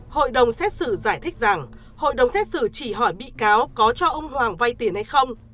hội đồng xét xử giải thích rằng hội đồng xét xử chỉ hỏi bị cáo có cho ông hoàng vay tiền hay không